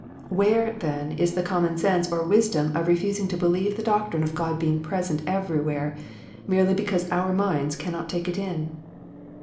Where, then, is the common sense or wisdom of refusing to believe the doctrine of God being present everywhere, merely because our minds cannot take it in